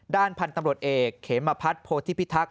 ด้านพันธุ์ตำรวจเอกเขมพัฒนโพธิพิทักษ